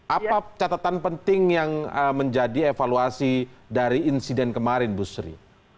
apa catatan penting yang menjadi evaluasi dari insiden kemarin bu sri